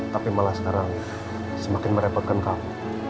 tapi malah sekarang semakin merepotkan kamu